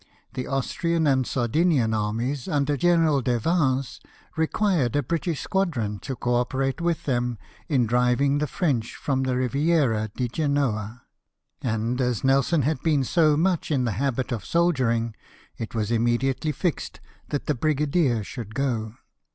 The Austrian and Sardinian armies, under General de Vins, required a British squadron to co operate with them in driving the French from the Riviera di ENGAGEMENT OFF ST. FIORENZO. 83 Genoa ; and as Nelson had been so much in the habit of soldiering, it was immediately fixed that the brigadier should go.